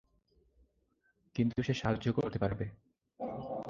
কিন্তু সে সাহায্য করতে পারবে।